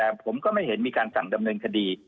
แต่ผมก็ไม่เห็นมีการสั่งดำเนินคดี